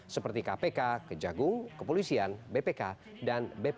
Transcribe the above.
seperti kpk kejagung kepolisian bpk dan bpp